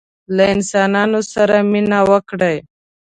له انسانانو سره مینه وکړئ